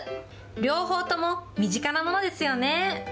両方とも身近なものですよね。